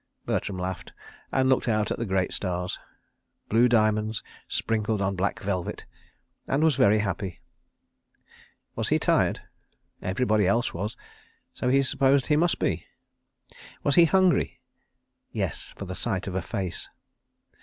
..." Bertram laughed and looked out at the great stars—blue diamonds sprinkled on black velvet—and was very happy. Was he tired? Everybody else was, so he supposed he must be. Was he hungry? Yes—for the sight of a face.